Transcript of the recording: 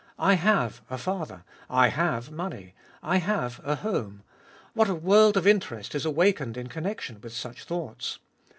I have a father, I have money, I have a home — what a world of interest is awakened in connection with such thoughts.